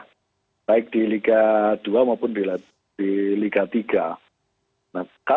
yang kedua kita sudah bisa evaluasi sejak dari dulu bahwa performance timnas itu sangat terkait dengan kompetisi yang bisa diselengarakan di level bawah